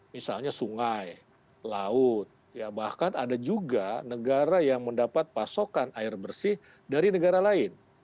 misalnya sungai laut bahkan ada juga negara yang mendapat pasokan air bersih dari negara lain